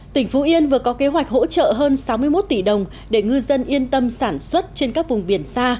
tỉnh phú yên vừa có kế hoạch hỗ trợ hơn sáu mươi một tỷ đồng để ngư dân yên tâm sản xuất trên các vùng biển xa